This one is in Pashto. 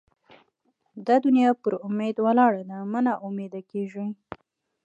دا دونیا پر اُمید ولاړه ده؛ مه نااميده کېږئ!